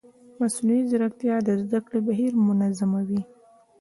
مصنوعي ځیرکتیا د زده کړې بهیر منظموي.